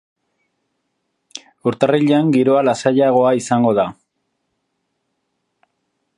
Urtarrilean giroa lasaiagoa izango da.